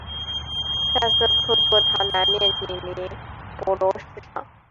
萨瑟克座堂南面紧邻博罗市场。